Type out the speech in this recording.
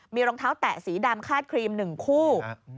มีรองเท้าแตะสีดำคาดครีม๑คู่